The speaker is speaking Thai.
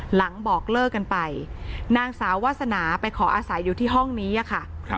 บอกเลิกกันไปนางสาววาสนาไปขออาศัยอยู่ที่ห้องนี้ค่ะ